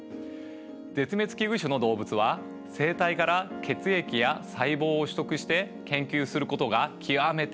絶滅危惧種の動物は生体から血液や細胞を取得して研究することが極めて困難です。